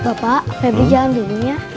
bapak febri jalan dulu ya